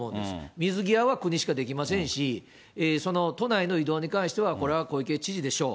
水際は国しかできませんし、都内の移動に関しては、これは小池知事でしょう。